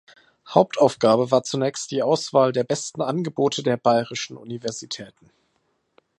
Hauptaufgabe war zunächst die Auswahl der besten Angebote der bayerischen Universitäten.